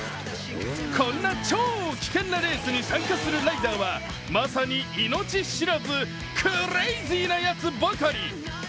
こんな超危険なレースに参加するライダーは、まさに命知らずクレイジーなやつばかり。